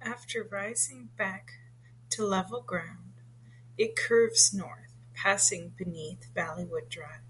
After rising back to level ground, it curves north, passing beneath Valleywood Drive.